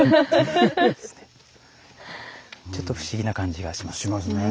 ちょっと不思議な感じがしますね。